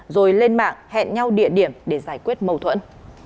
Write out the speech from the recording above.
rồi lên mạng hẹn nhau địa điểm để giải quyết mâu thuẫn